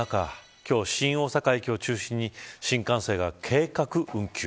今日、新大阪駅を中心に新幹線が計画運休。